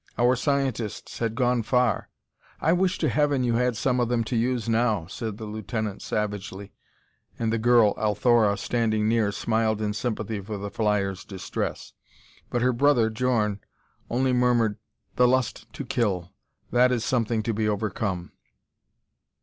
Our scientists had gone far " "I wish to Heaven you had some of them to use now," said the lieutenant savagely, and the girl, Althora, standing near, smiled in sympathy for the flyer's distress. But her brother, Djorn, only murmured: "The lust to kill: that is something to be overcome."